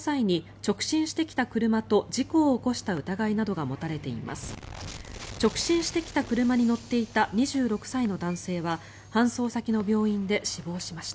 直進してきた車に乗っていた２６歳の男性は搬送先の病院で死亡しました。